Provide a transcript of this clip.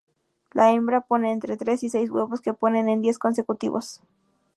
La hembra pone entre tres y seis huevos, que ponen en días consecutivos.